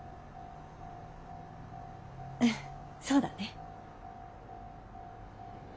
うんそうだね。